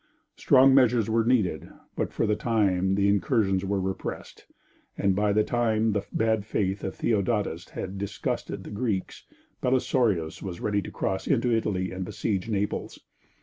Strong measures were needed, but for the time the incursions were repressed, and by the time the bad faith of Theodatus had disgusted the Greeks, Belisarius was ready to cross into Italy and besiege Naples.